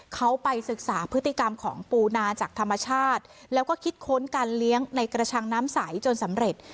เขาไปศึกษาพฤติกรรมของปูนาจากธรรมชาติแล้วก็คิดค้นการเลี้ยงในกระชังน้ำใสจนสำเร็จ